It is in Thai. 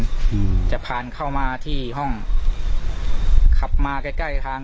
อืมจะผ่านเข้ามาที่ห้องขับมาใกล้ใกล้ทาง